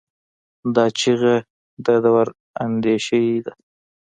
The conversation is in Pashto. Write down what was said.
دا چیغه د دوراندیشۍ ده.